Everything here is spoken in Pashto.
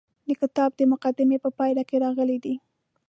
د کتاب د مقدمې په پای کې راغلي دي.